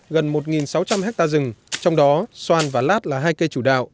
gần một sáu trăm linh hectare rừng trong đó xoan và lát là hai cây chủ đạo